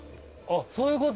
そういうこと？